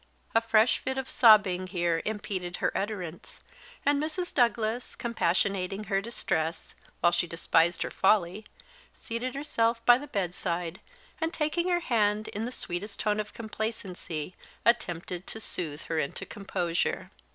A fresh fit of sobbing here impeded her utterance; and Mrs. Douglas, compassionating her distress, while she despised her folly, seated herself by the bedside, and taking her hand, in the sweetest tone of complacency attempted to soothe her into composure.